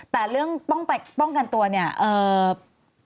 แต่เรื่องป้องกันตัวเนี่ย